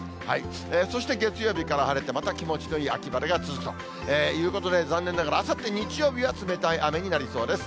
そして月曜日から晴れて、また気持ちのいい秋晴れが続くということで、残念ながら、あさって日曜日は冷たい雨になりそうです。